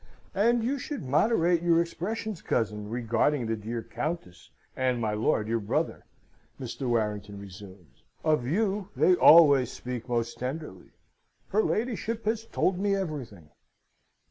"And you should moderate your expressions, cousin, regarding the dear Countess and my lord your brother," Mr. Warrington resumed. "Of you they always speak most tenderly. Her ladyship has told me everything."